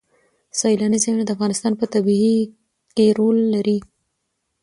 سیلاني ځایونه د افغانستان په طبیعت کې رول لري.